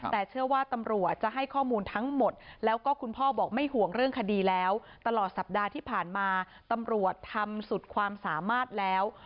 แต่เชื่อว่าตำรวจจะให้ข้อมูลทั้งหมดแล้วก็คุณพ่อบอกไม่ห่วงเรื่องคดีแล้วตลอดสัปดาห์ที่ผ่านมาตำรวจทำสุดความสามารถแล้ว